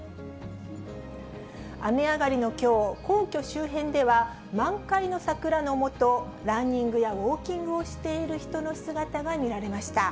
雨上がりのきょう、皇居周辺では、満開の桜の下、ランニングやウォーキングをしている人の姿が見られました。